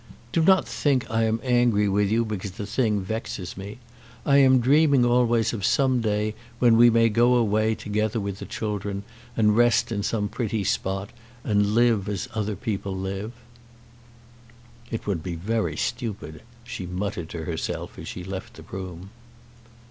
"Do not think I am angry with you because the thing vexes me. I am dreaming always of some day when we may go away together with the children, and rest in some pretty spot, and live as other people live." "It would be very stupid," she muttered to herself as she left the room.